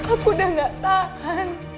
aku udah gak tahan